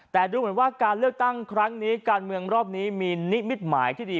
แต่ดูเหมือนว่าการเลือกตั้งครั้งนี้การเมืองรอบนี้มีนิมิตหมายที่ดี